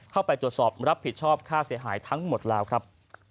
เข้าไปตรวจสอบรับผิดชอบค่าเสียหายทั้งหมดแล้วครับ